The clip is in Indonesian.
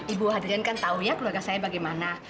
ibu hadirin kan tahu ya keluarga saya bagaimana